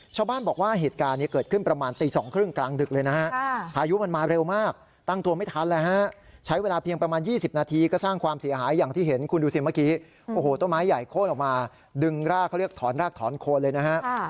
ชาวบ้านบอกว่าเหตุการณ์นี้เกิดขึ้นประมาณตี๒๓๐กลางดึกเลยนะฮะ